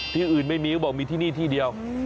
ที่อื่นไม่มีเขาบอกมีที่นี่ที่เดียว